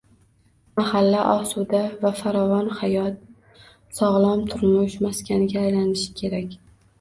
Mahalla osuda va farovon hayot, sog‘lom turmush maskaniga aylanishi kerak